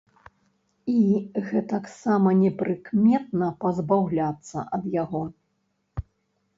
І гэтаксама непрыкметна пазбаўляцца ад яго.